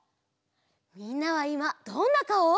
みんなはいまどんなかお？